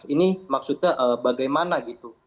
ini maksudnya bagaimana gitu